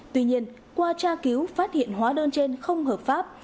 tuy nhiên qua tra cứu phát hiện hóa đơn trên không hợp pháp